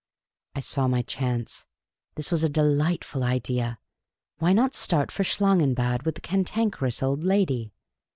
I saw my chance. This was a delightful idea. Why not start for Schlangenbad with the Cantankerous Old Lady